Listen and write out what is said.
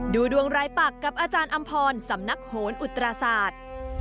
ดูดวงรายปักกับอาจารย์อำพรสำนักโหนอุตราศาสตร์